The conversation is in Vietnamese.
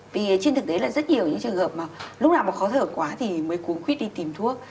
vì trên thực tế là rất nhiều những trường hợp mà lúc nào mà khó thở quá thì mới cú khuyết đi tìm thuốc